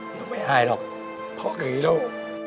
หนูไม่อายหรอกเพราะแค่นี้แล้ว